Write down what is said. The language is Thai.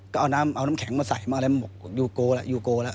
ก็เอาน้ำเอาน้ำแข็งมาใส่มาแล้วบอกยูโกแล้วยูโกแล้ว